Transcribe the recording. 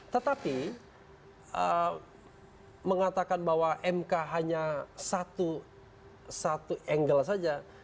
tetapi mengatakan bahwa mk hanya satu angle saja